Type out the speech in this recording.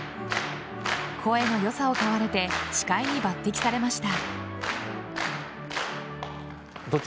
声の良さを買われて司会に抜擢されました。